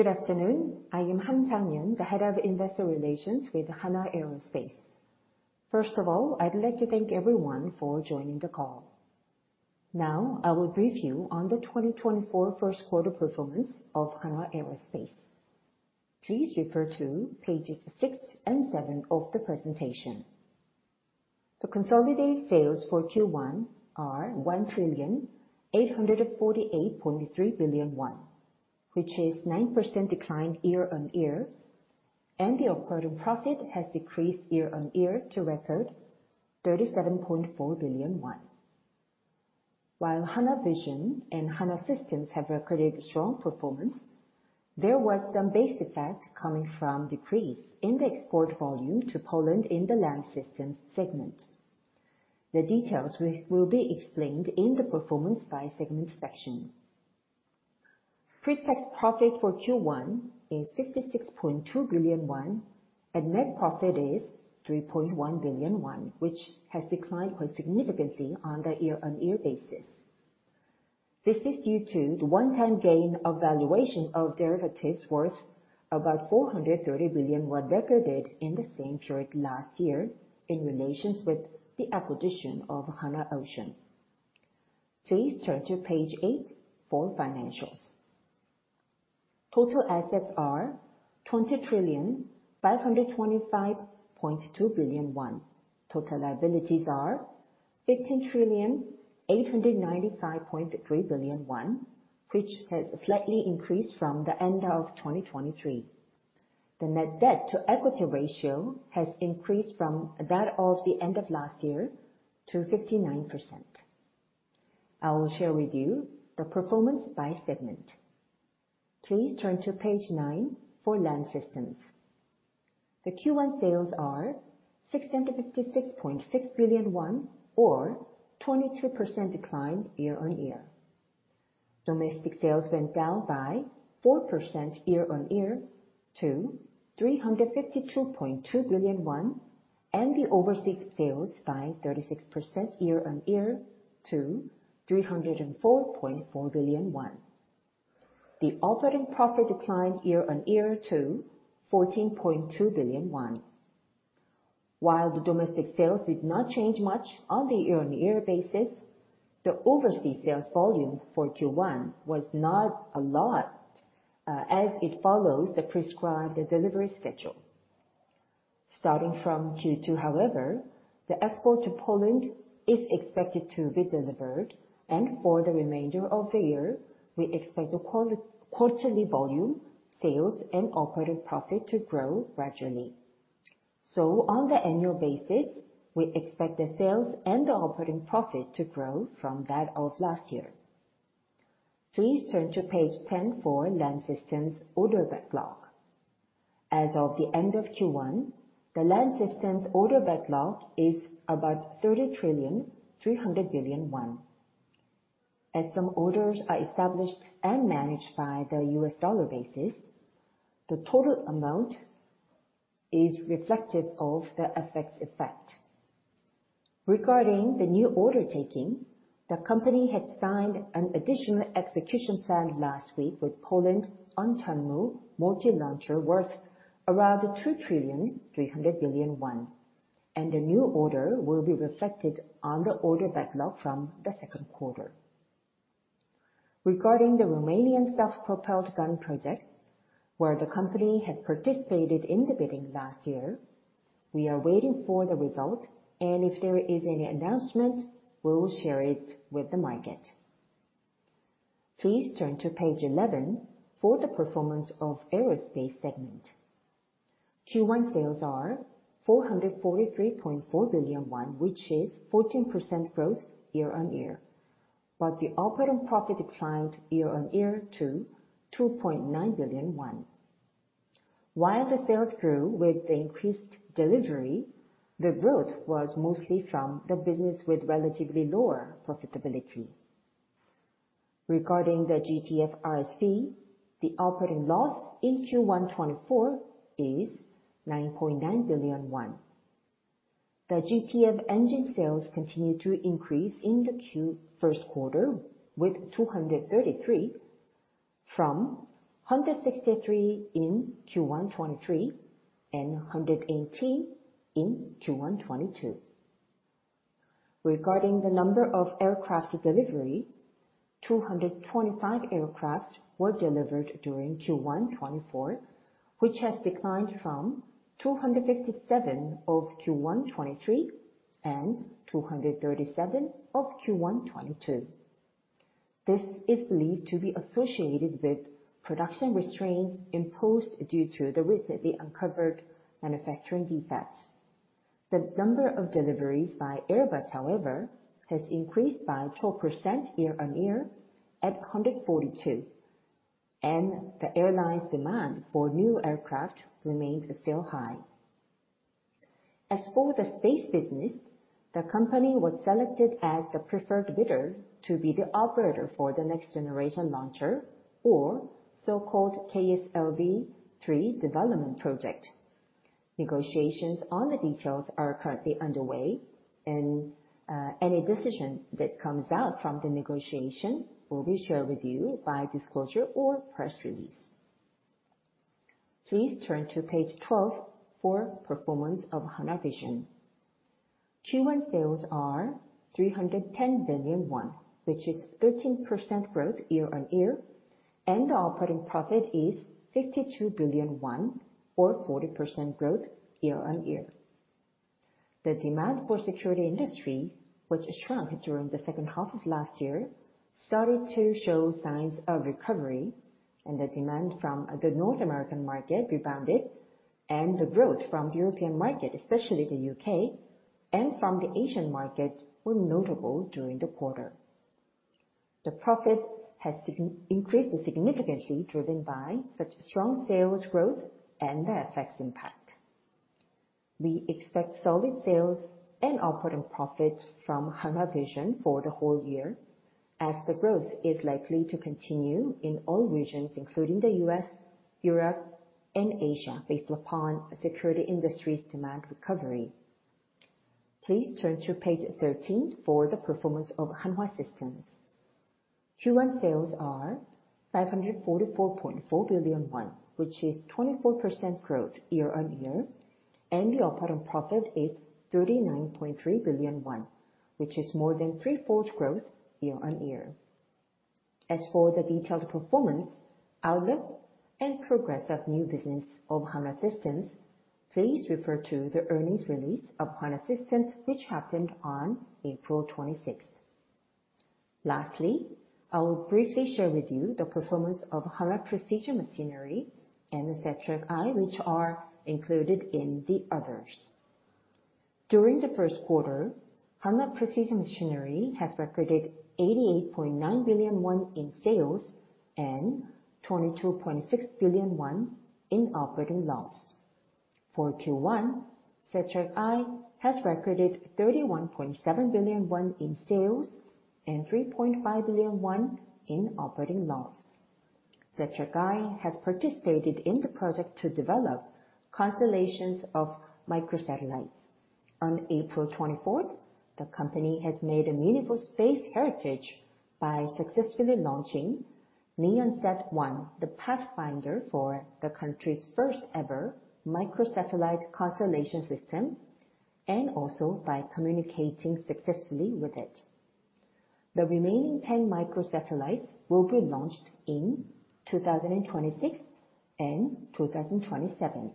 Good afternoon. I am Han Chang-Yun, the Head of Investor Relations with Hanwha Aerospace. First of all, I'd like to thank everyone for joining the call. Now, I will brief you on the 2024 Q1 performance of Hanwha Aerospace. Please refer to pages 6 and 7 of the presentation. The consolidated sales for Q1 are 1,848.3 billion won, which is 9% decline year-on-year, and the operating profit has decreased year-on-year to record KRW 37.4 billion. While Hanwha Vision and Hanwha Systems have recorded strong performance, there was some base effect coming from decrease in the export volume to Poland in the Land Systems segment. The details will be explained in the performance by segment section. Pre-tax profit for Q1 is 56.2 billion won, and net profit is 3.1 billion won, which has declined quite significantly on the year-on-year basis. This is due to the one-time gain of valuation of derivatives worth about 430 billion recorded in the same period last year in relations with the acquisition of Hanwha Ocean. Please turn to page 8 for financials. Total assets are 20,525.2 billion won. Total liabilities are 15,895.3 billion won, which has slightly increased from the end of 2023. The net debt to equity ratio has increased from that of the end of last year to 59%. I will share with you the performance by segment. Please turn to page 9 for Land Systems. The Q1 sales are 656.6 billion won, or 22% decline year-on-year. Domestic sales went down by 4% year-on-year to 352.2 billion won, and the overseas sales by 36% year-on-year to 304.4 billion won. The operating profit declined year-on-year to 14.2 billion won. While the domestic sales did not change much on the year-on-year basis, the overseas sales volume for Q1 was not a lot, as it follows the prescribed delivery schedule. Starting from Q2, however, the export to Poland is expected to be delivered, and for the remainder of the year, we expect the quarterly volume, sales, and operating profit to grow gradually. So on the annual basis, we expect the sales and the operating profit to grow from that of last year. Please turn to page 10 for Land Systems order backlog. As of the end of Q1, the Land Systems order backlog is about 30.3 trillion. As some orders are established and managed on a U.S. dollar basis, the total amount is reflective of the effects effect. Regarding the new order taking, the company had signed an additional execution plan last week with Poland on Chunmoo multi-launcher, worth around 2.3 trillion. The new order will be reflected on the order backlog from the Q2. Regarding the Romanian self-propelled gun project, where the company had participated in the bidding last year, we are waiting for the result, and if there is any announcement, we'll share it with the market. Please turn to page 11 for the performance of aerospace segment. Q1 sales are 443.4 billion won, which is 14% growth year-on-year, but the operating profit declined year-on-year to 2.9 billion won. While the sales grew with the increased delivery, the growth was mostly from the business with relatively lower profitability. Regarding the GTF RSV, the operating loss in Q1 2024 is 9.9 billion won. The GTF engine sales continued to increase in the Q1, with 233 from 163 in Q1 2023, and 118 in Q1 2022. Regarding the number of aircraft delivery, 225 aircraft were delivered during Q1 2024, which has declined from 257 of Q1 2023 and 237 of Q1 2022. This is believed to be associated with production restraints imposed due to the recently uncovered manufacturing defects. The number of deliveries by Airbus, however, has increased by 12% year-on-year at 142, and the airline's demand for new aircraft remains still high. As for the space business, the company was selected as the preferred bidder to be the operator for the next generation launcher or so-called KSLV-III development project... negotiations on the details are currently underway, and any decision that comes out from the negotiation will be shared with you by disclosure or press release. Please turn to page 12 for performance of Hanwha Vision. Q1 sales are 310 billion won, which is 13% growth year-on-year, and the operating profit is 52 billion won, or 40% growth year-on-year. The demand for security industry, which shrunk during the second half of last year, started to show signs of recovery, and the demand from the North American market rebounded, and the growth from the European market, especially the U.K., and from the Asian market, were notable during the quarter. The profit has significantly increased, driven by such strong sales growth and the FX impact. We expect solid sales and operating profits from Hanwha Vision for the whole year, as the growth is likely to continue in all regions, including the U.S., Europe, and Asia, based upon security industry's demand recovery. Please turn to page 13 for the performance of Hanwha Systems. Q1 sales are 544.4 billion won, which is 24% growth year-on-year, and the operating profit is 39.3 billion won, which is more than threefold growth year-on-year. As for the detailed performance, outlook, and progress of new business of Hanwha Systems, please refer to the earnings release of Hanwha Systems, which happened on April 26th. Lastly, I will briefly share with you the performance of Hanwha Precision Machinery and the Satrec I, which are included in the others. During the Q1, Hanwha Precision Machinery has recorded 88.9 billion won in sales and 22.6 billion won in operating loss. For Q1, Satrec I has recorded 31.7 billion won in sales and 3.5 billion won in operating loss. Satrec I has participated in the project to develop constellations of microsatellites. On April 24th, the company has made a meaningful space heritage by successfully launching NEONSat-1, the pathfinder for the country's first-ever microsatellite constellation system, and also by communicating successfully with it. The remaining 10 microsatellites will be launched in 2026 and 2027.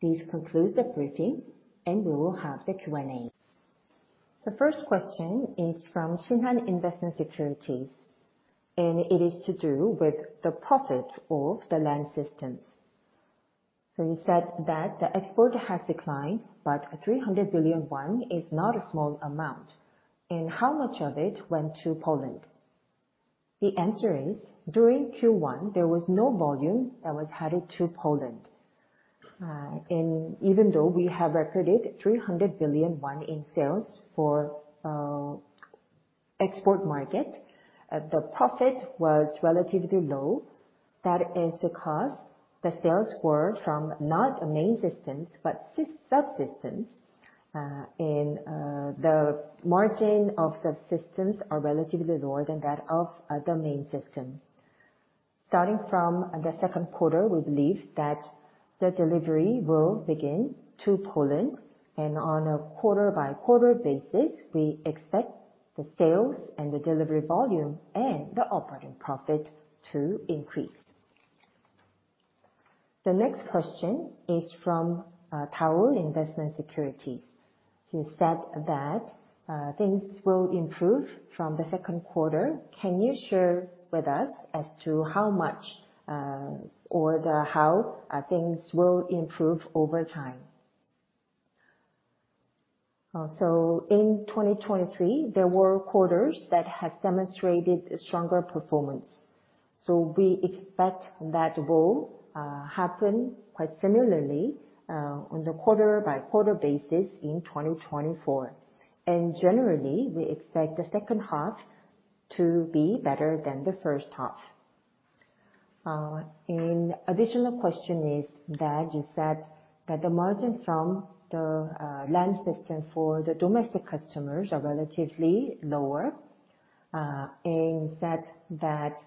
This concludes the briefing, and we will have the Q&A. The first question is from Shinhan Investment Securities, and it is to do with the profit of the Land Systems. So you said that the export has declined, but 300 billion won is not a small amount, and how much of it went to Poland? The answer is, during Q1, there was no volume that was headed to Poland. And even though we have recorded 300 billion in sales for export market, the profit was relatively low. That is because the sales were from not main systems, but subsystems. And the margin of subsystems are relatively lower than that of the main system. Starting from the Q2, we believe that the delivery will begin to Poland, and on a quarter-by-quarter basis, we expect the sales and the delivery volume and the operating profit to increase. The next question is from Daol Investment Securities. You said that things will improve from the second quarter. Can you share with us as to how much or how things will improve over time? So in 2023, there were quarters that have demonstrated a stronger performance, so we expect that will happen quite similarly on a quarter-by-quarter basis in 2024. And generally, we expect the second half to be better than the first half. An additional question is that you said that the margin from the Land Systems for the domestic customers are relatively lower, and you said that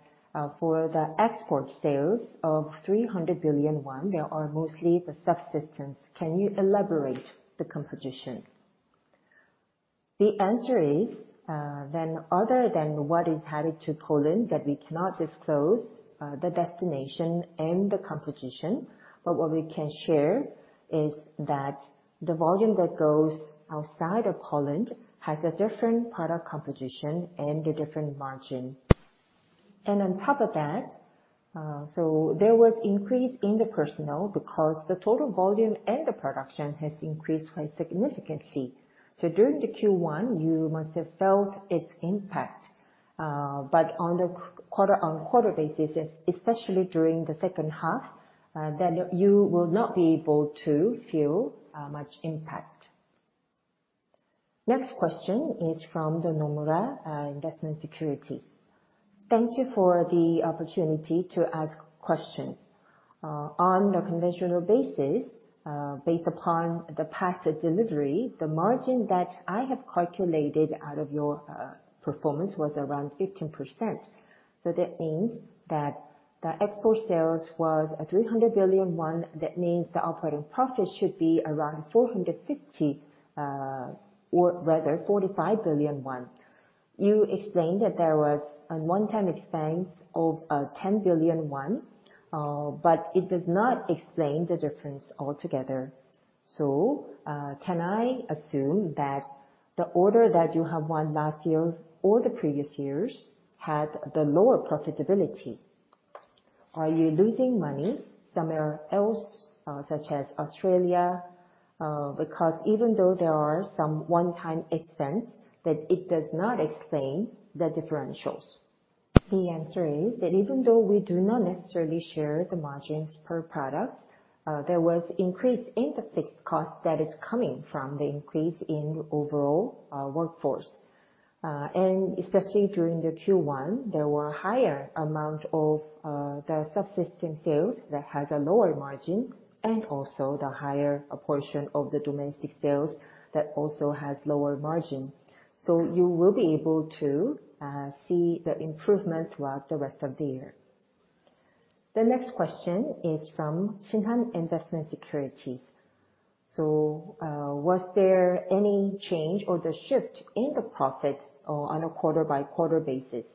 for the export sales of 300 billion won, they are mostly the subsystems. Can you elaborate the composition? The answer is, then other than what is headed to Poland, that we cannot disclose the destination and the competition, but what we can share is that the volume that goes outside of Poland has a different product composition and a different margin. On top of that, there was an increase in the personnel because the total volume and the production has increased quite significantly. So during the Q1, you must have felt its impact, but on the quarter-on-quarter basis, especially during the second half, then you will not be able to feel much impact. Next question is from the Nomura Investment Securities. Thank you for the opportunity to ask questions. On the conventional basis, based upon the past delivery, the margin that I have calculated out of your performance was around 15%. So that means that the export sales was at 300 billion. That means the operating profit should be around 450, or rather 45 billion won. You explained that there was a one-time expense of 10 billion won, but it does not explain the difference altogether. So, can I assume that the order that you have won last year or the previous years had the lower profitability? Are you losing money somewhere else, such as Australia? Because even though there are some one-time expense, that it does not explain the differentials. The answer is that even though we do not necessarily share the margins per product, there was increase in the fixed cost that is coming from the increase in overall, workforce. And especially during the Q1, there were higher amount of, the subsystem sales that has a lower margin, and also the higher portion of the domestic sales that also has lower margin. So you will be able to see the improvement throughout the rest of the year. The next question is from Shinhan Investment Securities. So, was there any change or the shift in the profit, on a quarter-by-quarter basis?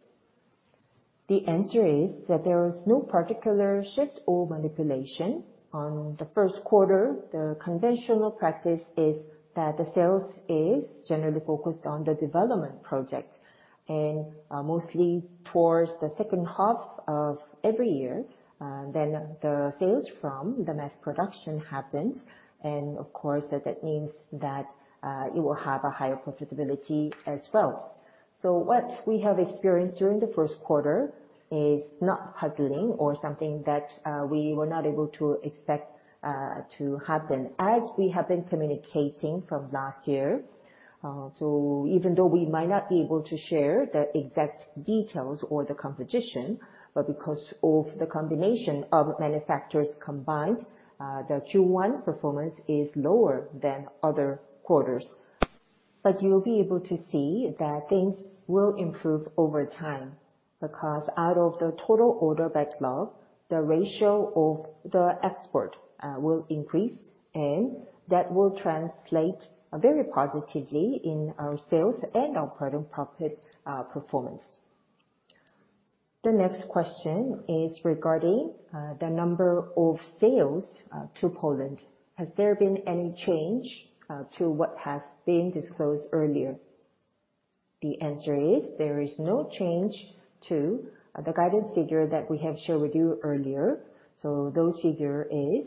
The answer is that there was no particular shift or manipulation on the Q1. The conventional practice is that the sales is generally focused on the development project and, mostly towards the second half of every year, then the sales from the mass production happens, and of course, that means that, it will have a higher profitability as well. So what we have experienced during the Q1 is not puzzling or something that, we were not able to expect, to happen, as we have been communicating from last year. So even though we might not be able to share the exact details or the competition, but because of the combination of manufacturers combined, the Q1 performance is lower than other quarters. But you'll be able to see that things will improve over time, because out of the total order backlog, the ratio of the export, will increase, and that will translate, very positively in our sales and operating profit, performance. The next question is regarding, the number of sales, to Poland. Has there been any change, to what has been disclosed earlier? The answer is: there is no change to the guidance figure that we have shared with you earlier. So those figure is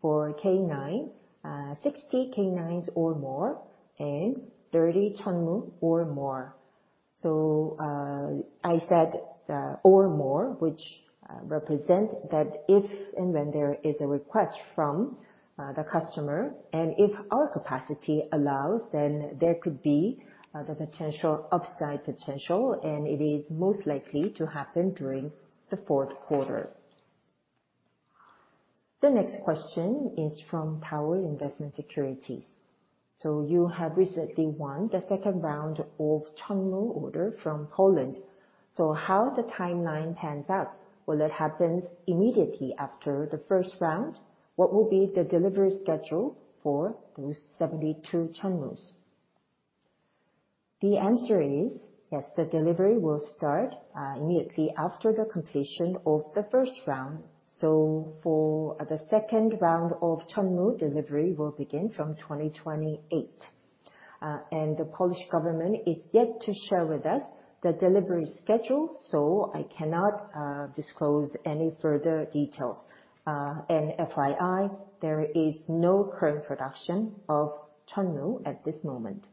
for K9, 60 K9s or more, and 30 Chunmoo or more. So, I said, or more, which, represent that if and when there is a request from, the customer, and if our capacity allows, then there could be, the potential upside potential, and it is most likely to happen during the Q4. The next question is from Tower Investment Securities. So you have recently won the second round of Chunmoo order from Poland, so how the timeline pans out? Will it happen immediately after the first round? What will be the delivery schedule for those 72 Chunmoos? The answer is, yes, the delivery will start, immediately after the completion of the first round. So for the second round of Chunmoo, delivery will begin from 2028. And the Polish government is yet to share with us the delivery schedule, so I cannot disclose any further details. And FYI, there is no current production of Chunmoo at this moment.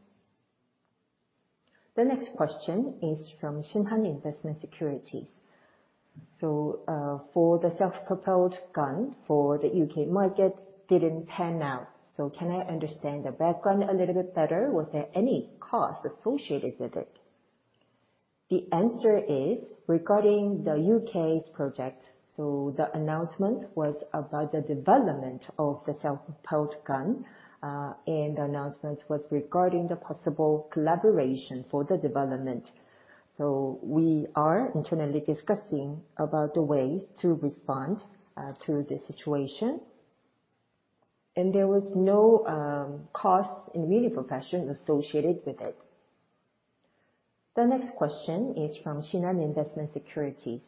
The next question is from Shinhan Investment Securities. So, for the self-propelled gun for the U.K. market didn't pan out. So can I understand the background a little bit better? Was there any cost associated with it? The answer is, regarding the U.K.'s project, so the announcement was about the development of the self-propelled gun, and the announcement was regarding the possible collaboration for the development. So we are internally discussing about the ways to respond to the situation, and there was no cost in money provision associated with it. The next question is from Shinhan Investment Securities.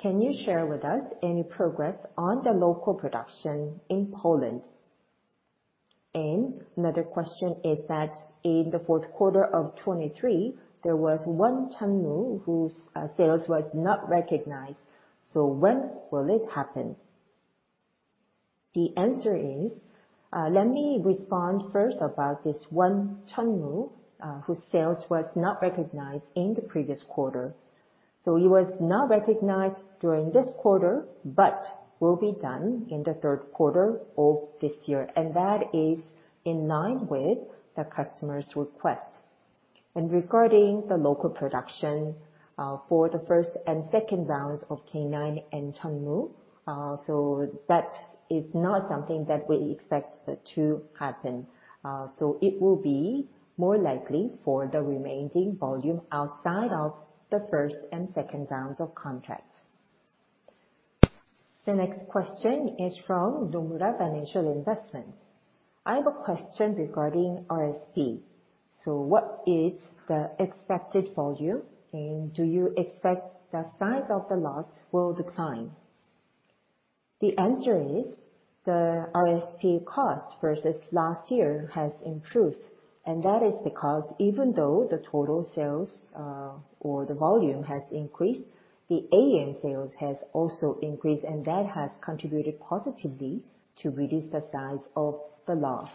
Can you share with us any progress on the local production in Poland? And another question is that in the Q4 of 2023, there was one Chunmoo whose sales was not recognized. So when will it happen? The answer is, let me respond first about this one, Chunmoo, whose sales was not recognized in the previous quarter. So it was not recognized during this quarter, but will be done in the Q3 of this year, and that is in line with the customer's request. Regarding the local production, for the first and second rounds of K9 and Chunmoo, so that is not something that we expect to happen. So it will be more likely for the remaining volume outside of the first and second rounds of contracts. The next question is from Nomura Financial Investment. I have a question regarding RSP. So what is the expected volume, and do you expect the size of the loss will decline? The answer is, the RSP cost versus last year has improved, and that is because even though the total sales, or the volume has increased, the AM sales has also increased, and that has contributed positively to reduce the size of the loss.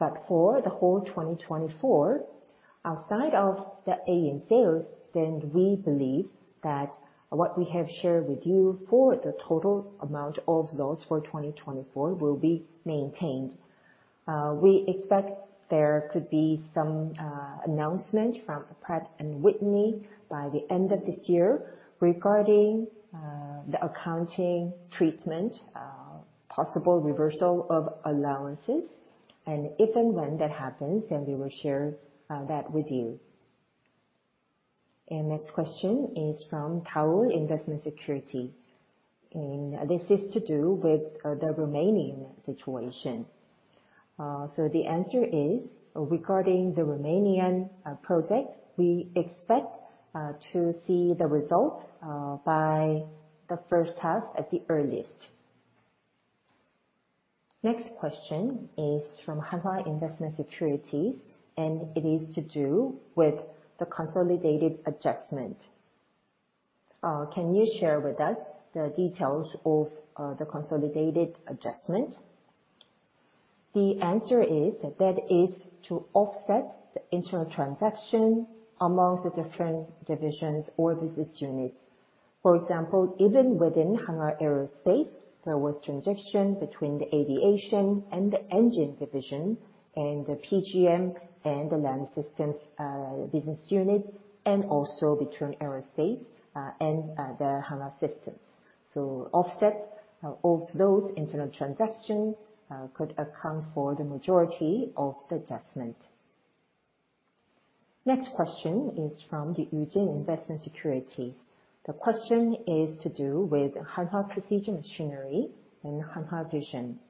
But for the whole 2024, outside of the AM sales, then we believe that what we have shared with you for the total amount of loss for 2024 will be maintained. We expect there could be some announcement from Pratt & Whitney by the end of this year regarding the accounting treatment possible reversal of allowances, and if and when that happens, then we will share that with you. Next question is from Daol Investment Securities, and this is to do with the Romanian situation. So the answer is, regarding the Romanian project, we expect to see the result by the first half at the earliest. Next question is from Hanwha Investment Securities, and it is to do with the consolidated adjustment. Can you share with us the details of the consolidated adjustment? The answer is that that is to offset the internal transaction among the different divisions or business units. For example, even within Hanwha Aerospace, there was transaction between the aviation and the engine division, and the PGM, and the land systems business unit, and also between aerospace and the Hanwha Systems. So offset of those internal transactions could account for the majority of the adjustment. Next question is from the Yu Jin Investment Securities. The question is to do with Hanwha Precision Machinery and Hanwha Vision.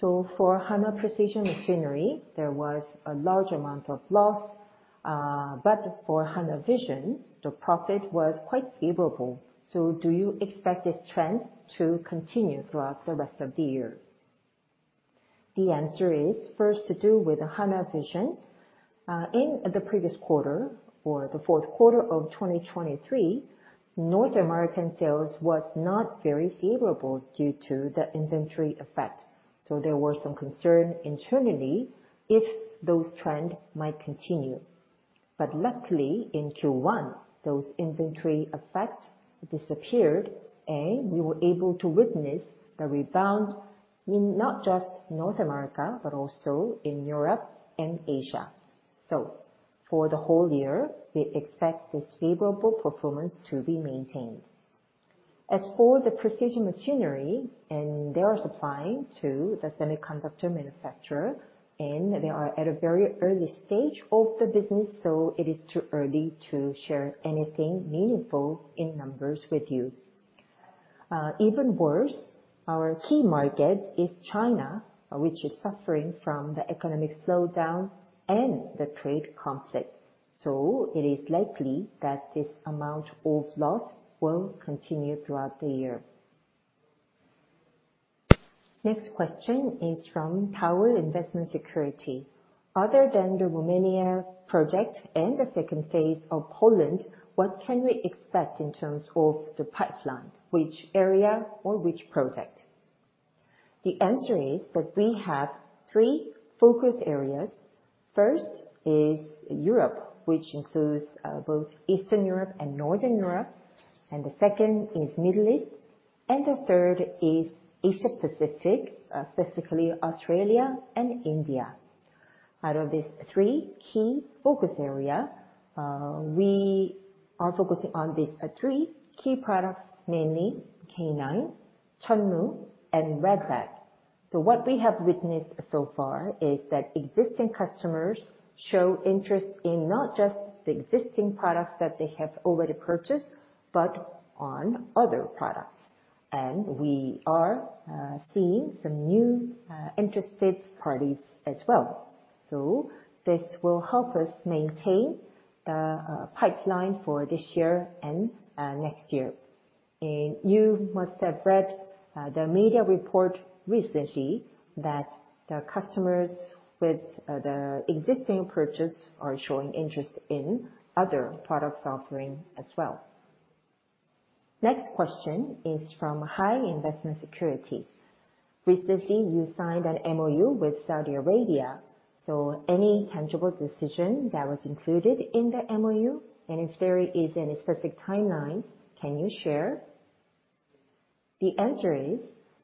So for Hanwha Precision Machinery, there was a large amount of loss, but for Hanwha Vision, the profit was quite favourable. So do you expect this trend to continue throughout the rest of the year? The answer is, first, to do with the Hanwha Vision. In the previous quarter or the Q4 of 2023, North American sales was not very favourable due to the inventory effect. So there were some concern internally if those trend might continue. But luckily, in Q1, those inventory effect disappeared, and we were able to witness a rebound in not just North America, but also in Europe and Asia. So for the whole year, we expect this favourable performance to be maintained. As for the Precision Machinery, and they are supplying to the semiconductor manufacturer, and they are at a very early stage of the business, so it is too early to share anything meaningful in numbers with you. Even worse, our key market is China, which is suffering from the economic slowdown and the trade conflict. So it is likely that this amount of loss will continue throughout the year. Next question is from Tower Investment Securities. Other than the Romania project and the second phase of Poland, what can we expect in terms of the pipeline? Which area or which project? The answer is that we have three focus areas. First is Europe, which includes both Eastern Europe and Northern Europe, and the second is Middle East, and the third is Asia Pacific, specifically Australia and India. Out of these three key focus area, we are focusing on these three key products, namely K9, Chunmoo, and Redback. So what we have witnessed so far is that existing customers show interest in not just the existing products that they have already purchased, but on other products. And we are seeing some new interested parties as well. So this will help us maintain a pipeline for this year and next year. And you must have read, the media report recently that the customers with, the existing purchase are showing interest in other products offering as well. Next question is from Hai Investment Securities: Recently, you signed an MOU with Saudi Arabia, so any tangible decision that was included in the MOU, and if there is any specific timeline, can you share? The answer is,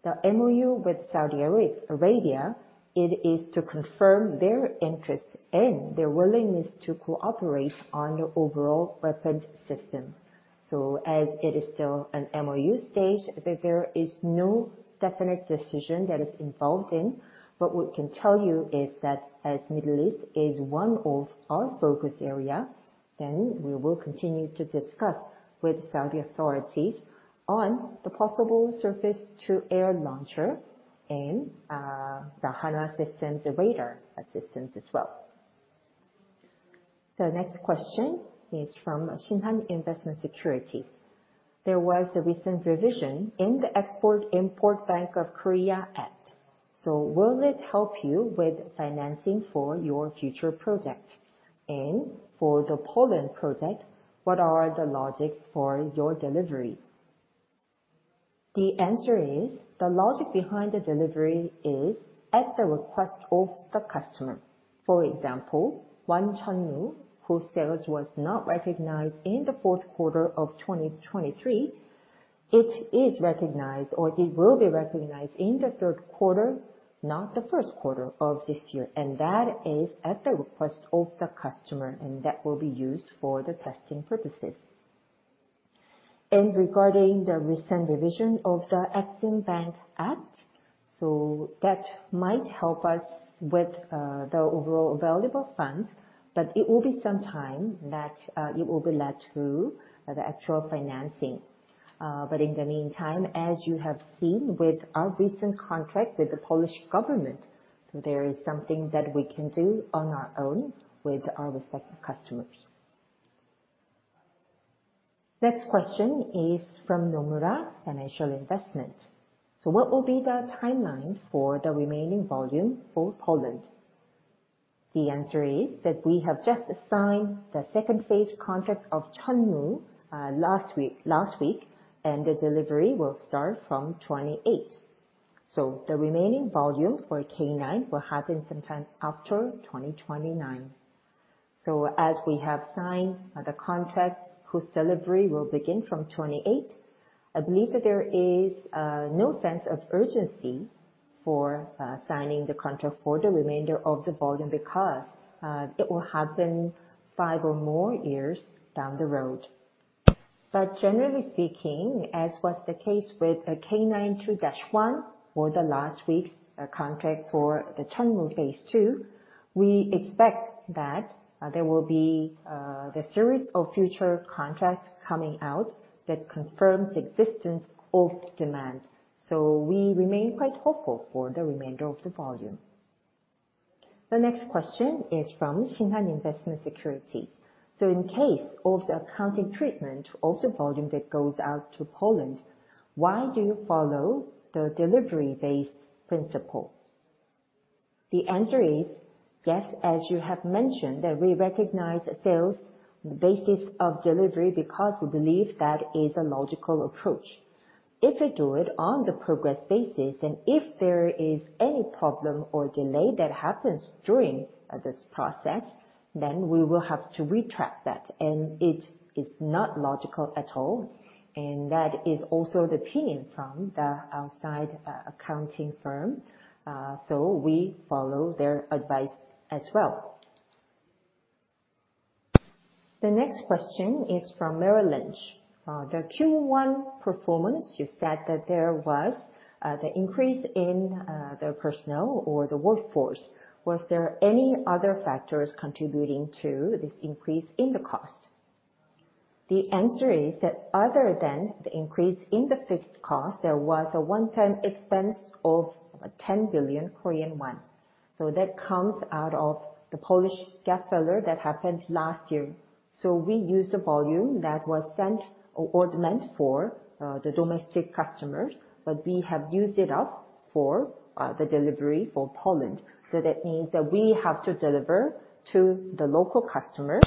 the MOU with Saudi Arabia, it is to confirm their interest and their willingness to cooperate on the overall weapons system. So as it is still an MOU stage, there is no definite decision that is involved in, but what we can tell you is that as Middle East is one of our focus area, then we will continue to discuss with Saudi authorities on the possible surface-to-air launcher and, the Hanwha Systems and radar assistance as well. The next question is from Shinhan Investment Securities: There was a recent revision in the Export-Import Bank of Korea Act, so will it help you with financing for your future project? And for the Poland project, what are the logics for your delivery? The answer is, the logic behind the delivery is at the request of the customer. For example, one Chunmoo, whose sales was not recognized in the Q4 of 2023, it is recognized or it will be recognized in the Q3, not the Q1 of this year, and that is at the request of the customer, and that will be used for the testing purposes. And regarding the recent revision of the Exim Bank Act, so that might help us with, the overall available funds, but it will be some time that, it will be led to the actual financing. In the meantime, as you have seen with our recent contract with the Polish government, there is something that we can do on our own with our respective customers. Next question is from Nomura Financial Investment: So what will be the timeline for the remaining volume for Poland? The answer is that we have just signed the second phase contract of Chunmoo last week, last week, and the delivery will start from 2028. The remaining volume for K9 will happen sometime after 2029. As we have signed the contract, whose delivery will begin from 2028, I believe that there is no sense of urgency for signing the contract for the remainder of the volume, because it will happen five or more years down the road. Generally speaking, as was the case with a K9 2-1 for the last week's contract for the Chunmoo phase two, we expect that there will be the series of future contracts coming out that confirms the existence of demand. We remain quite hopeful for the remainder of the volume. The next question is from Shinhan Investment Securities: So in case of the accounting treatment of the volume that goes out to Poland, why do you follow the delivery-based principle? The answer is, yes, as you have mentioned, that we recognize sales basis of delivery because we believe that is a logical approach. If we do it on the progress basis, and if there is any problem or delay that happens during this process, then we will have to retract that, and it is not logical at all. That is also the opinion from the outside accounting firm, so we follow their advice as well. The next question is from Merrill Lynch: The Q1 performance, you said that there was the increase in the personnel or the workforce. Was there any other factors contributing to this increase in the cost? The answer is that other than the increase in the fixed cost, there was a one-time expense of 10 billion Korean won. So that comes out of the Polish gap filler that happened last year. So we used the volume that was sent or ordered for the domestic customers, but we have used it up for the delivery for Poland. So that means that we have to deliver to the local customer,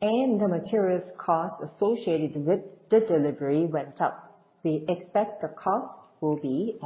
and the materials cost associated with the delivery went up. We expect the cost will be-